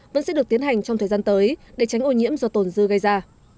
vẫn sẽ được tiến hành trong thời gian tới để tránh ô nhiễm do tổn dư gây ra